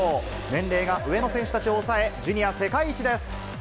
年齢が上の選手たちを抑え、ジュニア世界一です。